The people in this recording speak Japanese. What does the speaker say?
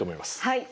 はい。